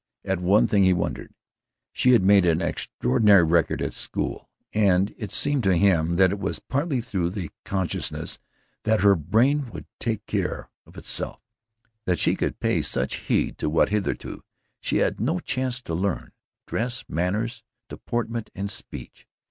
At one thing he wondered: she had made an extraordinary record at school and it seemed to him that it was partly through the consciousness that her brain would take care of itself that she could pay such heed to what hitherto she had had no chance to learn dress, manners, deportment and speech.